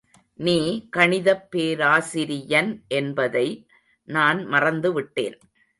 நீ கணிதப் பேராசிரியன் என்பதை நான் மறந்துவிட்டேன்.